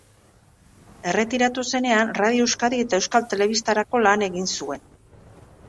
Erretiratu zenean, Radio Euskadi eta Euskal Telebistarako lan egin zuen.